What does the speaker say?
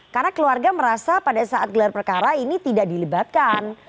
karena keluarga merasa pada saat gelar perkara ini tidak dilibatkan